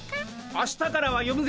明日からは読むぜ。